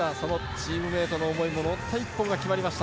チームメートの思いも乗った１本が決まりました。